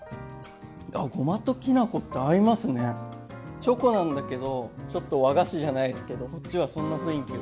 チョコなんだけどちょっと和菓子じゃないですけどこっちはそんな雰囲気が。